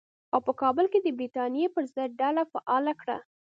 او په کابل کې یې د برټانیې پر ضد ډله فعاله کړه.